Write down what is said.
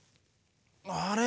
あれ？